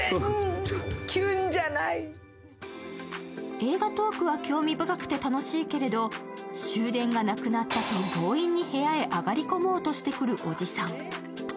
映画トークは興味深くて楽しいけれど、終電がなくなったあと強引に部屋へあがりこもうとしてくるおじさん。